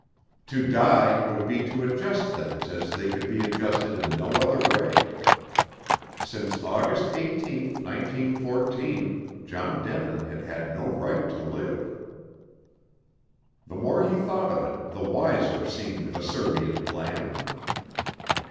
To die would be to adjust things as they could be adjusted in no other way. Since August 18, 1914, John Denin had had no right to live. The more he thought of it, the wiser seemed the Serbian plan.